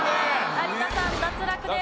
有田さん脱落です。